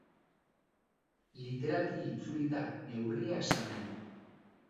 Literalki itzulita, neurria esan nahi du.